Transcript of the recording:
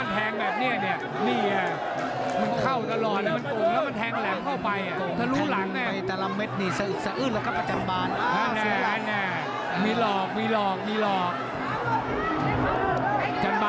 จันบานต้องเดินให้เร็วกว่านี้เลยครับ